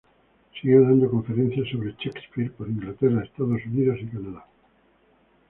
Siguió dando conferencias sobre Shakespeare por Inglaterra, Estados Unidos y Canadá.